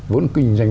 vốn kinh doanh